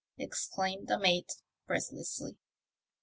exclaimed the mate, breath lessly.